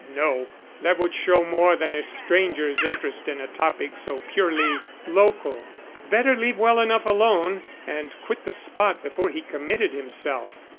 No, that would show more than a stranger's interest in a topic so purely local. Better leave well enough alone and quit the spot before he committed himself.